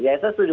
ya saya setuju